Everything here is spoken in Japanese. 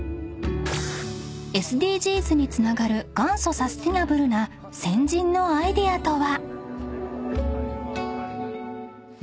［ＳＤＧｓにつながる元祖サスティナブルな先人のアイデアとは？］